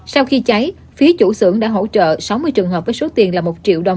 sau khi cháy phía chủ xưởng đã hỗ trợ sáu mươi trường hợp với số tiền là một triệu đồng